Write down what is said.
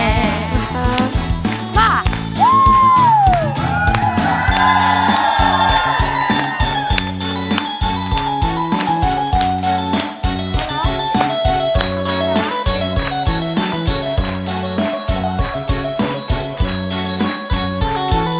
โอเคไอ้ไอเอาหาย